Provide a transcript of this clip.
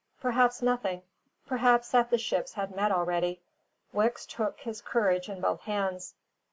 Perhaps nothing: perhaps that the ships had met already. Wicks took his courage in both hands.